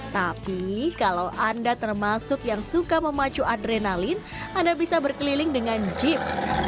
tapi kalau anda termasuk yang suka memacu adrenalin anda bisa berkeliling dengan jeep